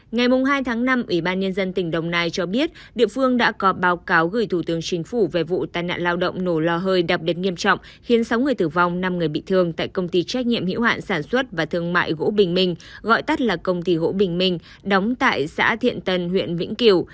ngày hai tháng năm ủy ban nhân dân tỉnh đồng nai cho biết địa phương đã có báo cáo gửi thủ tướng chính phủ về vụ tai nạn lao động nổ lò hơi đặc biệt nghiêm trọng khiến sáu người tử vong năm người bị thương tại công ty trách nhiệm hiệu hạn sản xuất và thương mại gỗ bình minh gọi tắt là công ty gỗ bình minh đóng tại xã thiện tân huyện vĩnh kiều